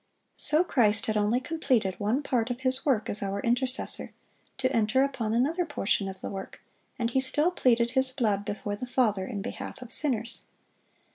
So Christ had only completed one part of His work as our intercessor, to enter upon another portion of the work, and He still pleaded His blood before the Father in behalf of sinners.